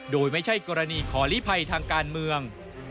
โดยไม่ใช่กรณีขอลิภัยทางการเมือง